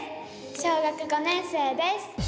小学５年生です。